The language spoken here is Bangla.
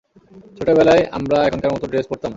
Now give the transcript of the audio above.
ছোটবেলায় আমরা এখনকার মতো ড্রেস পরতাম না।